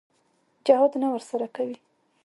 جهاد نه ورسره کوي.